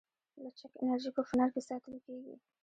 لچک انرژي په فنر کې ساتل کېږي.